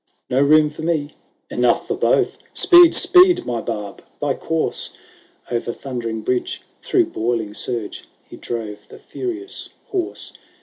XLVI "No room for me ?"" Enough for both ;— Speed, speed, my Barb, thy course !" O'er thundering bridge, through boiling surge He drove the furious horse.